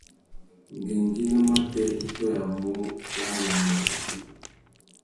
Ngüéngüinô matê i tôyamú wanônōh iffundu.